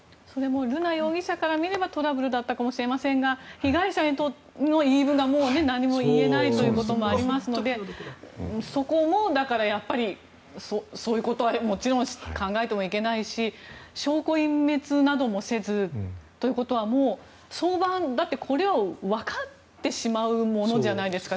瑠奈容疑者から見ればトラブルだったかもしれませんが被害者の言い分がもう何も言えないということもありますのでそこもやっぱりそういうことはもちろん考えてもいけないし証拠隠滅などもせずということはもう、早晩これはわかってしまうものじゃないですか。